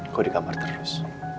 kok di kamar terus